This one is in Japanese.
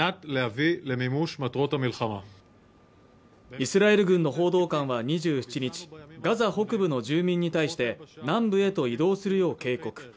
イスラエル軍の報道官は２７日ガザ北部の住民に対して南部へと移動するよう警告